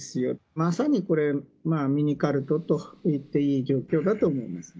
まさにこれ、ミニカルトといっていい状況だと思いますね。